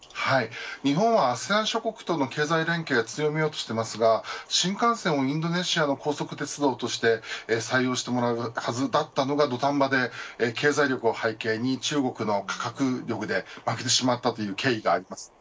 日本はＡＳＥＡＮ諸国との経済連携を強めとしていますが新幹線をインドネシアの高速鉄道として採用してもらうはずだったのが土壇場で、経済力を背景に中国の価格力で負けてしまった経緯があります。